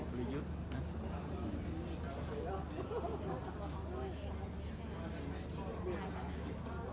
บริยุทธ์